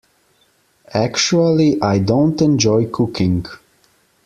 Actually, I don't enjoy cooking.